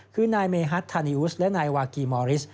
คือนายเมฮัทธานีอุสและนายวากีมอริส